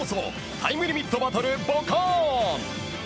「タイムリミットバトルボカーン！」。